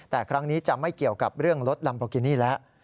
แต่ครั้งนี้จะไม่เกี่ยวกับเรื่องรถลัมโบกินี่แล้ว